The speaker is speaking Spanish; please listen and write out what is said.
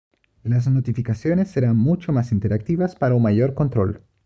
Las notificaciones serán mucho más interactivas para un mayor control.